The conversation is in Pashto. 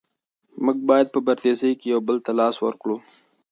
موږ باید په پردیسۍ کې یو بل ته لاس ورکړو.